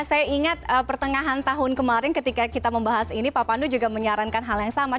saya ingat pertengahan tahun kemarin ketika kita membahas ini pak pandu juga menyarankan hal yang sama